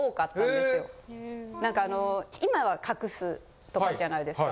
何かあの今は隠すとかじゃないですか。